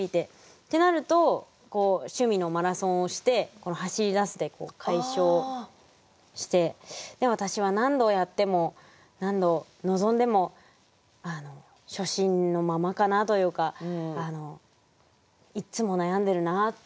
ってなると趣味のマラソンをしてこの「走り出す」で解消して私は何度やっても何度臨んでも初心のままかなというかいっつも悩んでるなっていう。